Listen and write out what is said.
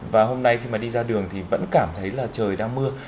và hôm nay khi mà đi ra đường thì vẫn cảm thấy là trời đang mưa